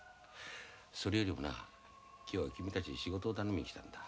それよりもな今日は君たちに仕事を頼みに来たんだ。